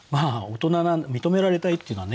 認められたいっていうのはね